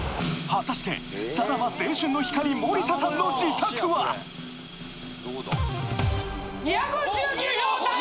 果たしてさらば青春の光森田さんの自宅はよっしゃ！